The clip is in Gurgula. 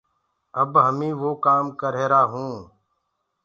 اب همي وو ڪآم ڪر رهيرآ هونٚ۔